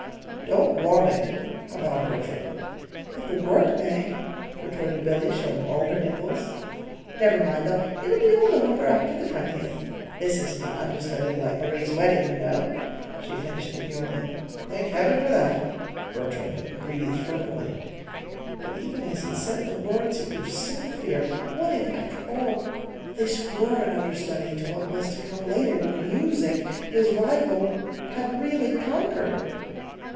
"Don't want it," avowed Bertram. "But the work may," retorted Billy, showing all her dimples. "Never mind, though; it'll all be over after the twentieth. This isn't an understudy like Marie's wedding, you know," she finished demurely. "Thank heaven for that!" Bertram had breathed fervently. But even as he said the words he grew sick with fear. What if, after all, this were an understudy to what was to come later when Music, his rival, had really conquered?